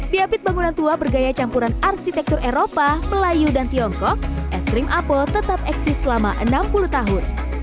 di apit bangunan tua bergaya campuran arsitektur eropa melayu dan tiongkok es krim apel tetap eksis selama enam puluh tahun